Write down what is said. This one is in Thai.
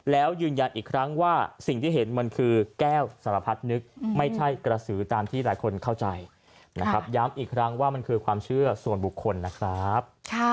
แล้วยืนยันอีกครั้งว่าสิ่งที่เห็นมันคือแก้วสารพัดนึกไม่ใช่กระสือตามที่หลายคนเข้าใจนะครับย้ำอีกครั้งว่ามันคือความเชื่อส่วนบุคคลนะครับ